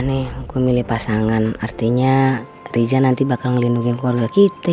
nih aku milih pasangan artinya riza nanti bakal melindungi keluarga kita